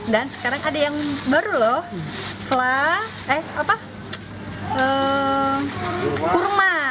dan sekarang ada yang baru lho flah eh apa kurma